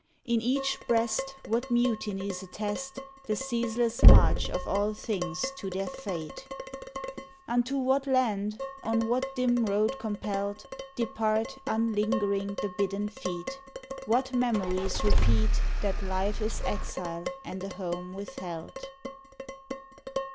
In each breast What mutinies attest The ceaseless march of all things to their fate ! Unto what Land, on what dim road compelled, Depart, unlingering, the bidden feet? What memories repeat That life is exile and a home withheld?